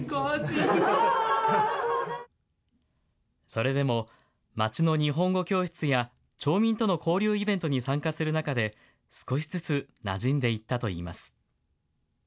それでも、町の日本語教室や町民との交流イベントに参加する中で、少しずつなじんでいったといいます。